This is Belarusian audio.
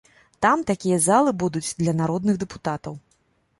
Там такія залы будуць для народных дэпутатаў!